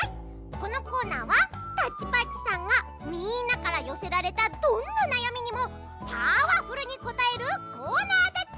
このコーナーはタッチパッチさんがみんなからよせられたどんななやみにもパワフルにこたえるコーナーだっち！